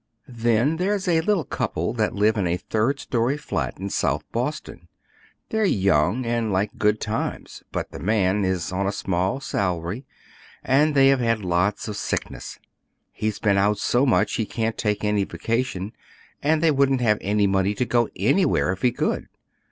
"Then there's a little couple that live in a third story flat in South Boston. They're young and like good times; but the man is on a small salary, and they have had lots of sickness. He's been out so much he can't take any vacation, and they wouldn't have any money to go anywhere if he could.